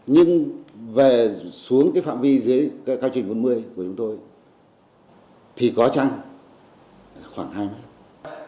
nhưng về xuống cái phạm vi dưới cao trình bốn mươi của chúng tôi thì có chăng khoảng hai mét